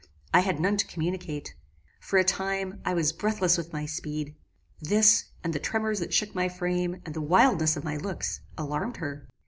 I had none to communicate. For a time, I was breathless with my speed: This, and the tremors that shook my frame, and the wildness of my looks, alarmed her.